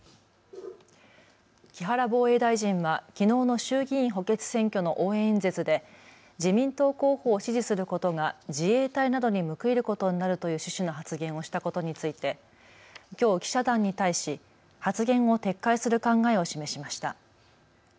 木原防衛大臣はきのうの衆議院補欠選挙の応援演説で自民党候補を支持することが自衛隊などに報いることになるという趣旨の発言をしたことについて、きょう記者団に対し、発言を撤回する考えを示しました。